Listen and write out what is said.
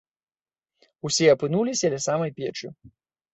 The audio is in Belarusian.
Усе апынуліся ля самай печы.